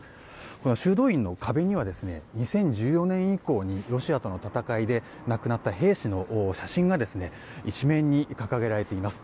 この修道院の壁には２０１４年以降にロシアとの戦いで亡くなった兵士の写真が一面に掲げられています。